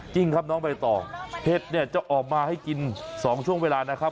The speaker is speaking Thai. จริงครับน้องใบตองเห็ดเนี่ยจะออกมาให้กิน๒ช่วงเวลานะครับ